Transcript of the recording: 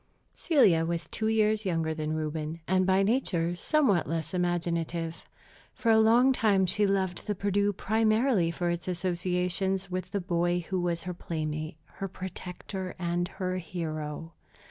Celia was two years younger than Reuben, and by nature somewhat less imaginative. For a long time she loved the Perdu primarily for its associations with the boy who was her playmate, her protector, and her hero.